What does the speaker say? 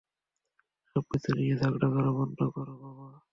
সবকিছু নিয়ে ঝগড়া করা বন্ধ করো, বাবা!